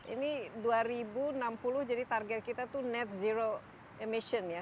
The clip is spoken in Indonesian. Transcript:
ini dua ribu enam puluh jadi target kita tuh net zero emission ya